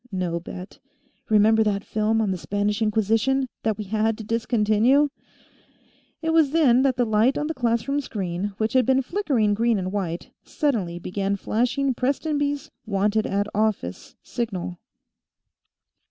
"No bet. Remember that film on the Spanish Inquisition, that we had to discontinue?" It was then that the light on the classroom screen, which had been flickering green and white, suddenly began flashing Prestonby's wanted at office signal.